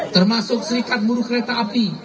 termasuk serikat buruh kereta api